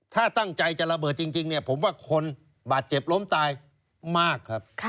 ถ้าตั้งใจจะระเบิดจริงเนี่ยผมว่าคนบาดเจ็บล้มตายมากครับ